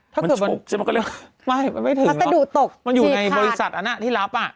ถ้าเกิดมันไม่มันไม่ถึงหรอกมันอยู่ในบริษัทอันนั้นที่รับน่ะจีบขาด